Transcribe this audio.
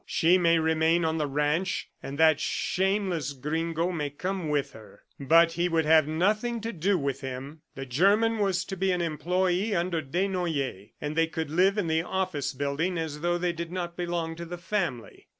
She may remain on the ranch, and that shameless gringo may come with her." But he would have nothing to do with him. The German was to be an employee under Desnoyers, and they could live in the office building as though they did not belong to the family.